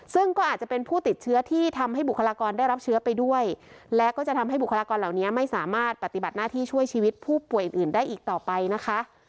ซึ่งก็อาจจะเป็นผู้ติดเชื้อที่ทำให้บุคลากรได้รับเชื้อไปด้วยและก็จะทำให้บุคลากรเหล่านี้ไม่สามารถปฏิบัติหน้าที่ช่วยชีวิตผู้ป่วยอื่นได้อีกต่อไปนะคะ